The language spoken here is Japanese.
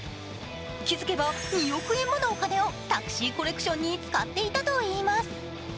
気づけば２億円ものお金をタクシーコレクションに使っていたといいます。